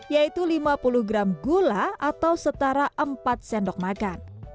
yaitu lima puluh gram gula atau setara empat sendok makan